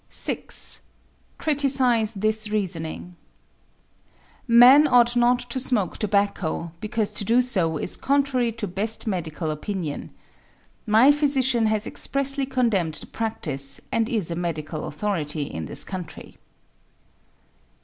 6. Criticise this reasoning: Men ought not to smoke tobacco, because to do so is contrary to best medical opinion. My physician has expressly condemned the practise, and is a medical authority in this country.